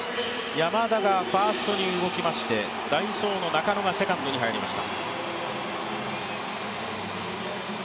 山田がファーストに動きまして、代走の中野がセカンドに入りました。